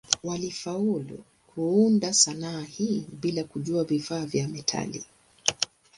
Walifaulu kuunda sanaa hii bila kujua vifaa vya metali.